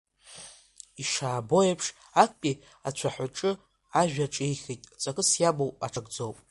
Ишаабо еиԥш, актәи ацәаҳәаҿы ажәа ҿихит ҵакыс иамоу аҽакӡоуп…